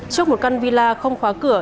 trước một căn villa không khóa cửa